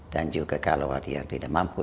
dan juga kalau ada yang tidak mampu